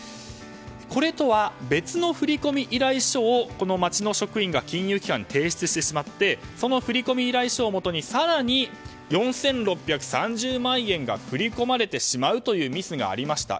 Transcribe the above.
これとは別の振込依頼書をこの町の職員が金融機関に提出してしまってその振込依頼書をもとに更に、４６３０万円が振り込まれてしまうというミスがありました。